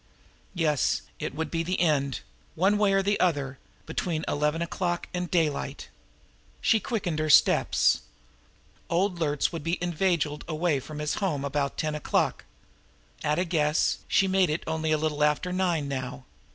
Yes, it would be the end one way or the other between eleven o'clock and daylight! She quickened her steps. Old Luertz was to be inveigled away from his home about ten o'clock. At a guess, she made it only a little after nine now.